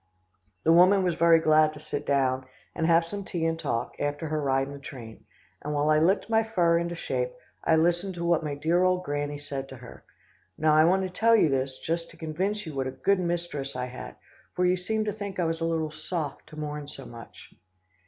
"The woman was very glad to sit down, and have some tea and talk, after her ride in the train, and while I licked my fur into shape, I listened to what my dear old Granny said to her. Now, I want to tell you this, just to convince you what a good mistress I had, for you seemed to think I was a little soft to mourn so much.